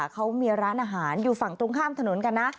เขามีร้านอาหารอยู่ฝั่งตรงข้ามถนนกันนะ